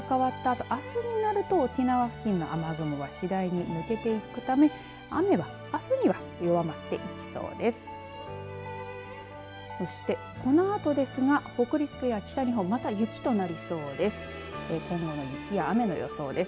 日付が変わったあとあすになると沖縄付近雨雲が次第に抜けていくため雨はあすには弱まっていきそうです。